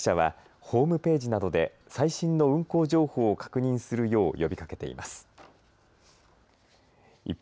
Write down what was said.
航空各社はホームページなどで最新の運航情報を確認するよう呼びかけています。